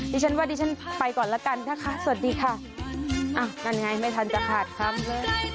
ดิฉันว่าดิฉันไปก่อนแล้วกันนะคะสวัสดีค่ะอ่ะนั่นไงไม่ทันจะขาดคำเลย